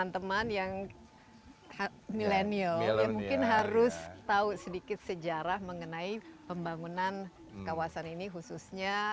teman yang milenial yang mungkin harus tahu sedikit sejarah mengenai pembangunan kawasan ini khususnya